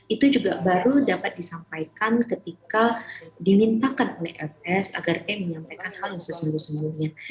itu juga baru dapat disampaikan ketika dimintakan oleh fs agar e menyampaikan hal yang sesungguh sungguhnya